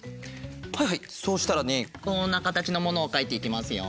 はいはいそうしたらねこんなかたちのものをかいていきますよ。